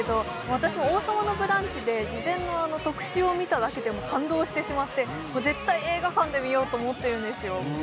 私「王様のブランチ」で事前の特集を見ただけでもう感動してしまって絶対映画館で見ようと思ってるんですよ